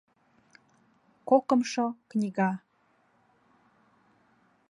КОКЫМШО КНИГА